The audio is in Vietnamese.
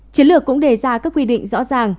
chiến lược cũng đề ra các quy định rõ ràng